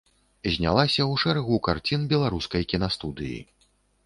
Знялася ў шэрагу карцін беларускай кінастудыі.